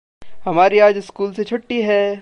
हमारी आज स्कूल से छुट्टी है।